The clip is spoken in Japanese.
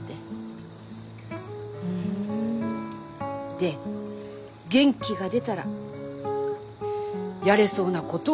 で元気が出たらやれそうなことを一つずつ。